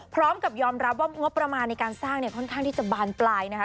พร้อมกับยอมรับว่างบประมาณในการสร้างเนี่ยค่อนข้างที่จะบานปลายนะคะ